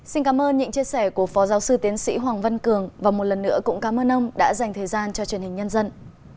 xin cảm ơn những chia sẻ của phó giáo sư tiến sĩ hoàng văn cường và một lần nữa cũng cảm ơn ông đã dành thời gian cho truyền hình nhân dân